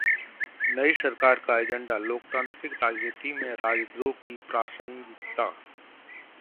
नई सरकार का एजेंडा: लोकतांत्रिक राजनीति में राजद्रोह की प्रासंगिकता